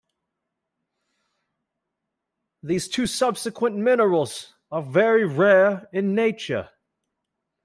These two subsequent minerals are very rare in nature.